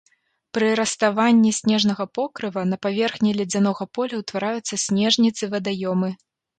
Пры раставанні снежнага покрыва на паверхні ледзянога поля ўтвараюцца снежніцы-вадаёмы.